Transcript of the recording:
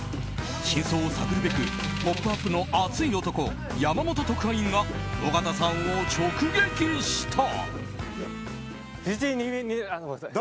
真相を探るべく「ポップＵＰ！」の熱い男山本特派員が尾形さんを直撃した。